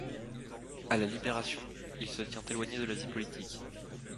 À la libération, il se tient éloigné de la vie politique.